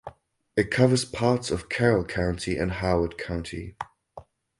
It covers parts of Carroll County and Howard County.